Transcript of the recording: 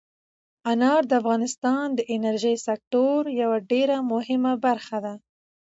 انار د افغانستان د انرژۍ سکتور یوه ډېره مهمه برخه ده.